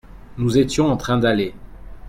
nous étions en train d'aller.